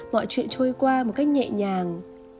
mọi chuyện trôi qua một cách nhẹ nhàng